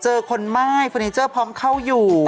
เจอคนม่ายเฟอร์เนเจอร์พร้อมเข้าอยู่